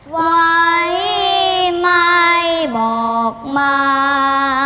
ไวไหมบอกมา